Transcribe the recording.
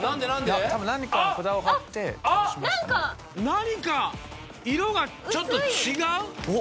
何か色がちょっと違う？